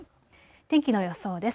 天気の予想です。